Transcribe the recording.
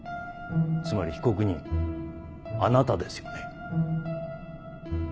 つまり被告人あなたですよね？